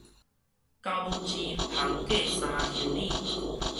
狗母膣，芳過三鄉里